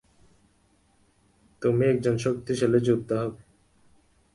তুমি একজন শক্তিশালী যোদ্ধা হবে।